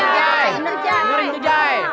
juri itu jai